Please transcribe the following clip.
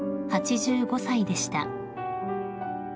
［８５歳でした］